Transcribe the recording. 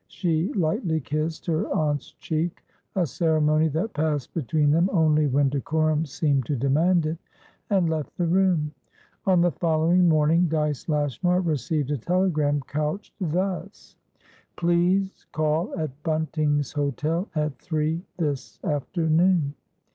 She lightly kissed her aunt's cheeka ceremony that passed between them only when decorum seemed to demand itand left the room. On the following morning, Dyce Lashmar received a telegram, couched thus: "Please call at Bunting's Hotel at 3 this afternoon."